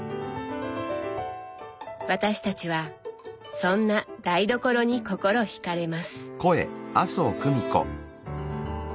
私たちはそんな「台所」に心惹かれます。